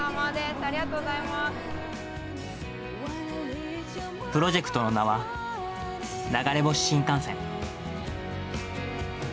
ありがとうプロジェクトの名は、流れ星新幹線。